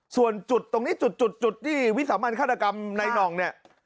ส่วนจุดตรงนี้จุดที่วิสามันฆาตกรรมในหน่องเนี่ย